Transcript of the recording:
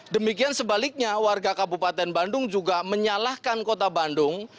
demikian sebaliknya warga kabupaten bandung juga menyalahkan kota bandung